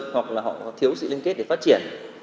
hoặc là họ có thiếu sự liên kết để phát triển